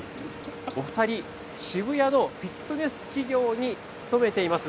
お２人、渋谷のフィットネス企業に勤めています。